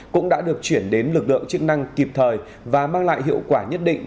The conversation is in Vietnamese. cũng đã được chuyển đến lực lượng chức năng kịp thời và mang lại hiệu quả nhất định